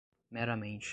meramente